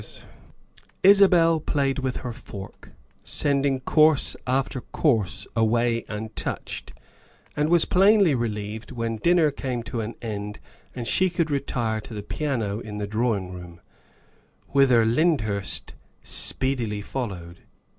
THE SECRETARY OF STATE 101 Isabel played with her fork, sending course after course away untouched, and was plainly relieved when dinner came to an end and she could retire to the piano in the drawing room, whither Lyndhurst speedily fol lowed.